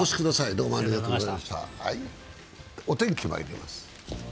お天気にまいります。